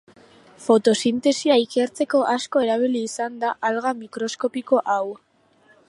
Fotosintesia ikertzeko asko erabili izan da alga mikroskopiko hau.